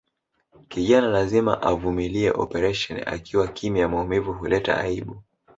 Kijana lazima avumilie operesheni akiwa kimya maumivu huleta aibu